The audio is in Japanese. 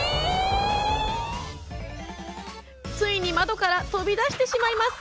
ついに窓から飛び出してしまいます。